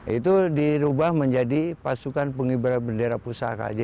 itu dirubah menjadi pasukan pengibar bendera pusaka